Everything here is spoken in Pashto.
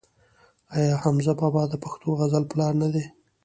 آیا حمزه بابا د پښتو غزل پلار نه دی؟